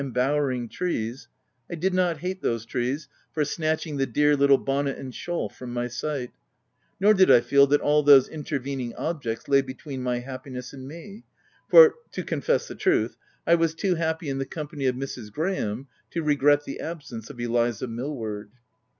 125 imbowering trees, I did not hate those trees for snatching the dear little bonnet and shawl from my sight, nor did I feel that all those in tervening objects lay between my happiness and me ; for, to confess the truth, I was too happy in the company of Mrs. Graham, to regret the absence of Eliza Mill ward.